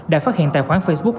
đã phát hiện tài khoản facebook